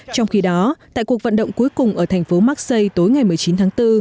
trong khi đó tại cuộc vận động cuối cùng ở thành phố maxi tối ngày một mươi chín tháng bốn